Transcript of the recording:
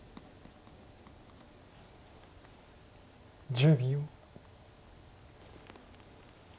１０秒。